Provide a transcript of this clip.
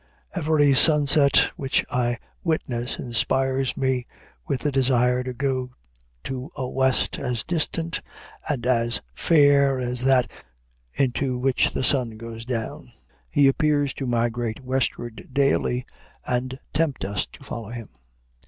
Every sunset which I witness inspires me with the desire to go to a West as distant and as fair as that into which the sun goes down. He appears to migrate westward daily, and tempt us to follow him.